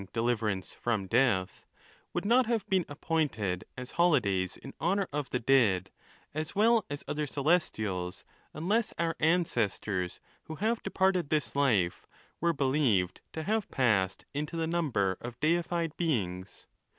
deliverance from death,) would not have been appointed as holidays in honour of the dead, as well as other celestials, un less our ancestors who have departed this life, were believed to have passed into the number of deified beings.